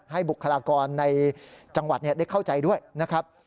บุคลากรในจังหวัดได้เข้าใจด้วยนะครับ